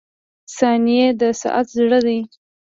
• ثانیې د ساعت زړه دی.